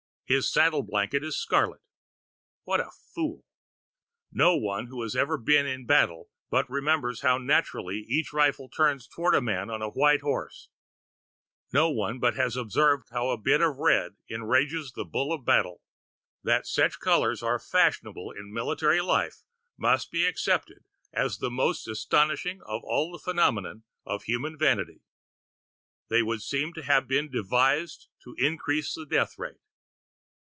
His saddle blanket is scarlet. What a fool! No one who has ever been in battle but remembers how naturally every rifle turns toward the man on a white horse; no one but has observed how a bit of red enrages the bull of battle. That such colors are fashionable in military life must be accepted as the most astonishing of all the phenomena of human vanity. They would seem to have been devised to increase the death rate.